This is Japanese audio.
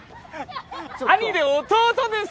兄で弟です！